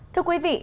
thưa quý vị